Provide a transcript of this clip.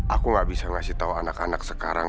aku gak bisa ngasih tahu anak anak sekarang